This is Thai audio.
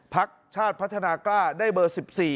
พักชาติพัฒนากล้าได้เบอร์๑๔